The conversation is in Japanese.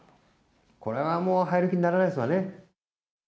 これはもう入る気にならないですわね。